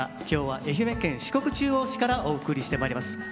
今日は愛媛県四国中央市からお送りしてまいります。